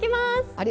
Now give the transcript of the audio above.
あれ？